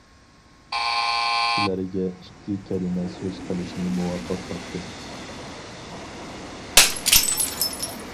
سىلەرگە ئىككى كەلىمە سۆز قىلىشنى مۇۋاپىق تاپتىم.